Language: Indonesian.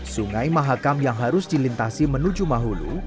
sungai mahakam yang harus dilintasi menuju mahulu